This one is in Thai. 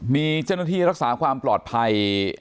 มีเจนที่รักษาความปลอดภัย